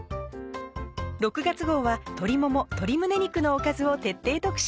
６月号は鶏もも鶏胸肉のおかずを徹底特集。